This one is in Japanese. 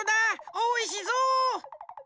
おいしそう。